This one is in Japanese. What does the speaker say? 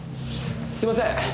すいません。